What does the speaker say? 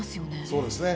そうですね。